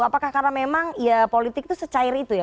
apakah karena memang ya politik itu secair itu ya